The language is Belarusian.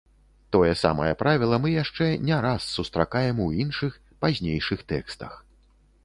Тое самае правіла мы яшчэ не раз сустракаем у іншых, пазнейшых тэкстах.